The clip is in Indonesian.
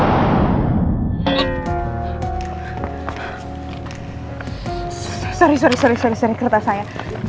sorry sorry sorry seri seri seri kertas saya